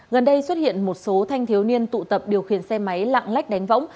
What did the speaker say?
gần đây xuất hiện một số thanh thiếu niên tụ tập điều khiển xe máy lạng lách đánh võng